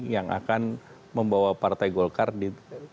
yang akan membawa partai golkar di dua ribu sembilan belas